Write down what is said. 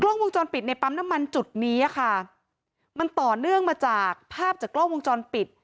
กล้องวงจรปิดในปั๊มน้ำมันจุดนี้อ่ะค่ะมันต่อเนื่องมาจากภาพจากกล้องวงจรปิด